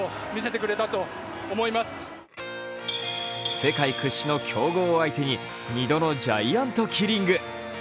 世界屈指の強豪を相手に２度のジャイアントキリング。